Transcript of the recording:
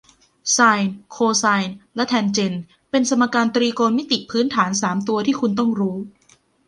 ไซน์โคไซน์และแทนเจนต์เป็นสมการตรีโกณมิติพื้นฐานสามตัวที่คุณต้องรู้